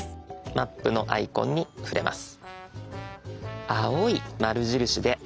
「マップ」のアイコンに触れます。